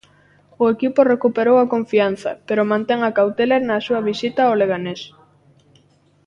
O equipo recuperou a confianza pero mantén a cautela na súa visita ao Leganés.